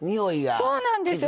そうなんですよ